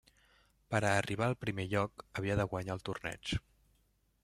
Per a arribar al primer lloc, havia de guanyar el torneig.